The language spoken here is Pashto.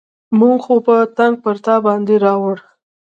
موږ خو به تنګ پر تا باندې راوړو.